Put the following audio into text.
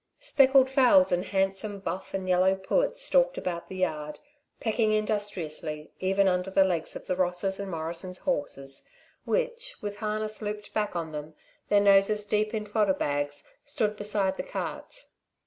Speckled fowls and handsome buff and yellow pullets stalked about the yard, pecking industriously even under the legs of the Ross's and Morrison's horses, which, with harness looped back on them, their noses deep in fodder bags, stood beside the carts.